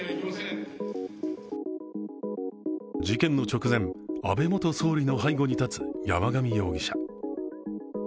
事件の直前、安倍元総理の背後に立つ山上容疑者。